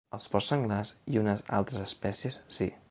Els porcs senglars i unes altres espècies, sí.